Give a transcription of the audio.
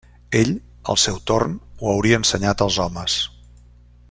Ell, al seu torn, ho hauria ensenyat als homes.